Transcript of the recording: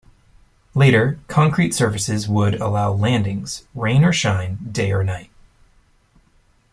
Later, concrete surfaces would allow landings, rain or shine, day or night.